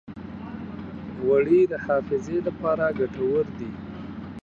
غوړې د حافظې لپاره ګټورې دي.